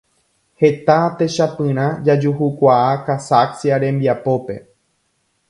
Heta techapyrã jajuhukuaa Casaccia rembiapópe.